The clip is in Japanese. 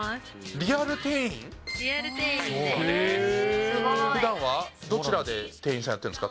リアル店員です。